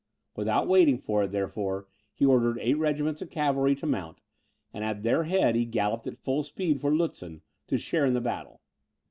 Without waiting for it, therefore, he ordered eight regiments of cavalry to mount; and at their head he galloped at full speed for Lutzen, to share in the battle.